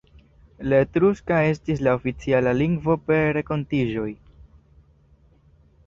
La Etruska estis la oficiala lingvo por renkontiĝoj.